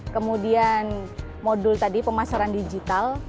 kemudian modul tadi pemasaran digital